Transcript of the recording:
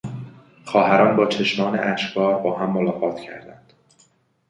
خواهران با چشمان اشکبار با هم ملاقات کردند.